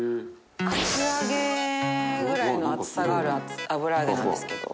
厚揚げぐらいの厚さがある油揚げなんですけど。